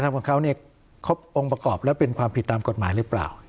มีความผิดตามกฎหมายหรือเปล่า